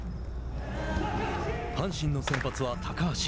阪神の先発は高橋。